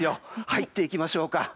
入っていきましょうか。